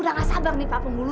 udah gak sabar nih pak pembulu